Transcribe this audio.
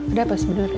ada apa sebenernya